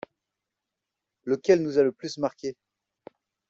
Lequel nous a le plus marqué?